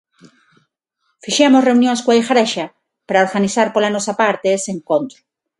Fixemos reunións coa Igrexa para organizar pola nosa parte ese encontro.